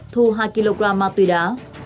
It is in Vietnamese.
thu hai kg ma túy đá